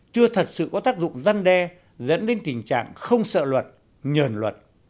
chưa thật sự có tác dụng răn đe dẫn đến tình trạng không sợ luật nhờn luật